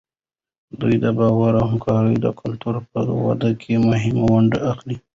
دوی د باور او همکارۍ د کلتور په وده کې مهمه ونډه اخلي.